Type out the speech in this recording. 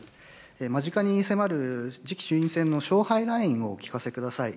間近に迫る次期衆院選の勝敗ラインをお聞かせください。